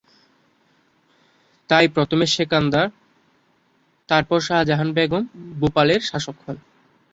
তাই প্রথমে সিকান্দার তারপর শাহজাহান বেগম ভোপালের শাসক হন।